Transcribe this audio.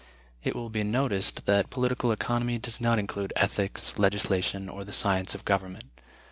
It will be noticed that political economy does not include ethics, legislation, or the science of government.